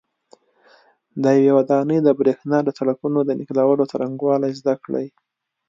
د یوې ودانۍ د برېښنا د سرکټونو د نښلولو څرنګوالي زده کړئ.